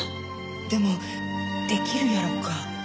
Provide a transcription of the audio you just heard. でもできるやろか？